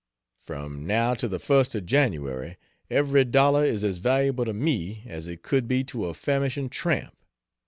From now till the first of January every dollar is as valuable to me as it could be to a famishing tramp.